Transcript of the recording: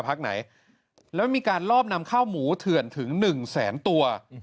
พักไหนแล้วมีการลอบนำข้าวหมูเถื่อนถึง๑แสนตัว